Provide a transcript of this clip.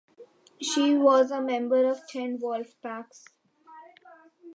She was a member of ten wolfpacks.